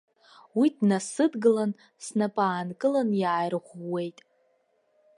Уи днасыдгылан, снапы аанкылан иааирӷәӷәуеит.